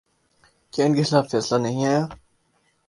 کیا ان کے خلاف فیصلہ نہیں آیا؟